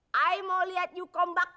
saya mau liat you comeback